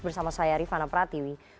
bersama saya rifana pratiwi